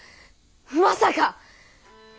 まさか！